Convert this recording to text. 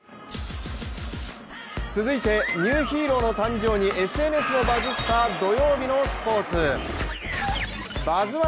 続いてニューヒーローの誕生にＳＮＳもバズった土曜日のスポーツ「バズ☆１」